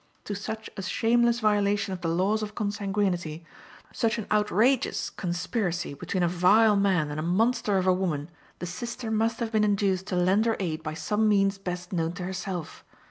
To such a shameless violation of the laws of consanguinity, such an outrageous conspiracy between a vile man and a monster of a woman, the sister must have been induced to lend her aid by some means best known to herself.